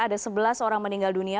ada sebelas orang meninggal dunia